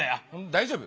大丈夫？